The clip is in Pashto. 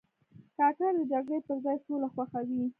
کاکړ د جګړې پر ځای سوله خوښوي.